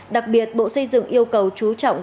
đặc biệt bộ xây dựng yêu cầu chú trọng